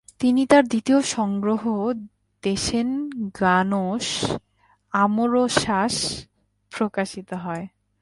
তিনি তার দ্বিতীয় সংগ্রহ দেসেনগানোস আমোরোসাস প্রকাশিত হয়।